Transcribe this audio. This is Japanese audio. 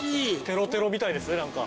テロテロみたいですねなんか。